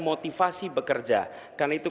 motivasi bekerja karena itu